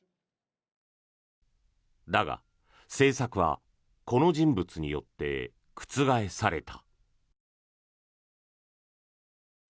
だが、政策はこの人物によって覆された。